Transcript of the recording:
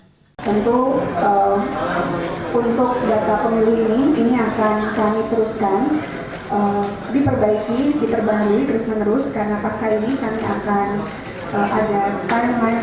untuk data pemilih ini ini akan kami teruskan diperbaiki